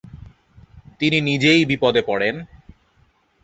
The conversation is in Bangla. তিনি নিজেই বিপদে পড়েন।